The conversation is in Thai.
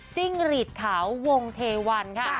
จิ้งหรีดขาววงเทวันค่ะ